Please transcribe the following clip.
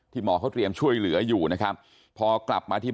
ที่หมอเขาเตรียมช่วยเหลืออยู่นะครับ